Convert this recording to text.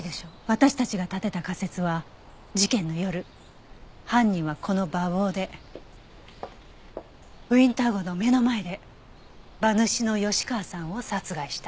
私たちが立てた仮説は事件の夜犯人はこの馬房でウィンター号の目の前で馬主の吉川さんを殺害した。